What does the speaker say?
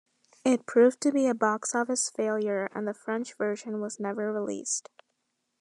It proved to be a box-office failure and the French version was never released.